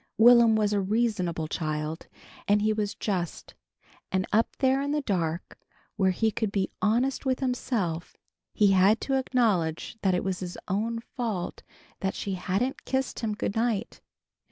Will'm was a reasonable child, and he was just, and up there in the dark where he could be honest with himself, he had to acknowledge that it was his own fault that she hadn't kissed him good night.